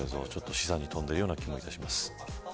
示唆に富んでいるような気もします。